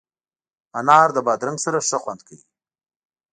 انار د بادرنګ سره ښه خوند کوي.